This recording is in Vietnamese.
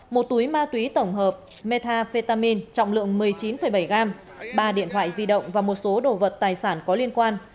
một túi ma túy tổng hợp metafetamin trọng lượng một mươi chín bảy gram ba điện thoại di động và một số đồ vật tài sản có liên quan